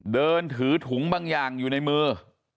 เดินถือถุงบางอย่างอยู่ในมือ